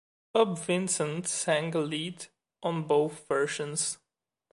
Bob Vincent sang lead on both versions.